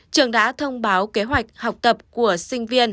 trường đã thông báo kế hoạch học tập của sinh viên